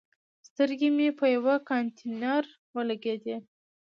سترګې مې په یوه کانتینر ولګېدې.